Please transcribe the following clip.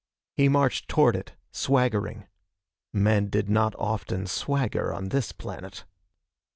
He marched toward it, swaggering. Men did not often swagger on this planet.